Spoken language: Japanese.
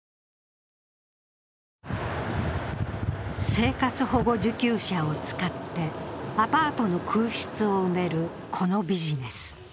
生活保護受給者を使ってアパートの空室を埋めるこのビジネス。